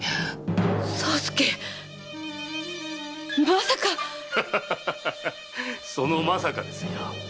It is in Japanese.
まさか⁉そのまさかですよ。